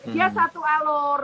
dia satu alur